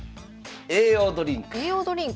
「栄養ドリンク」。